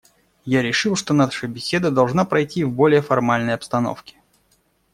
Я решил, что наша беседа должна пройти в более формальной обстановке.